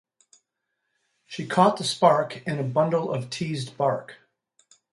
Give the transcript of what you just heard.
She caught the spark in a bundle of teased bark.